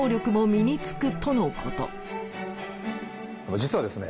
実はですね